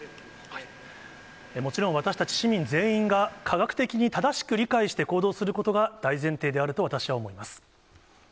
もちろん、私たち市民全員が、科学的に正しく理解して行動することが大前提であると私は思います。